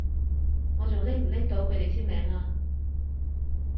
我仲拎唔拎到佢哋簽名啊？